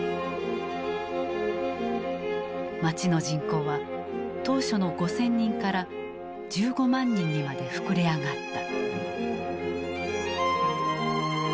町の人口は当初の５，０００人から１５万人にまで膨れ上がった。